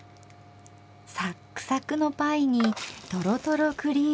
サックサクのパイにとろとろクリーム。